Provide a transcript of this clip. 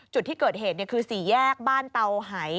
จุดที่เกิดเหตุคือ๔แยกบ้านเตาหาย